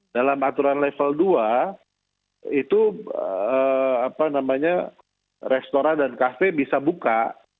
dalam aturan level dua itu restoran dan kafe bisa buka